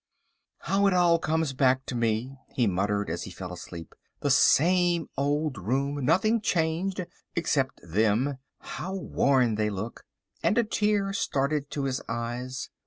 "How it all comes back to me," he muttered as he fell asleep, "the same old room, nothing changed—except them—how worn they look," and a tear started to his eyes.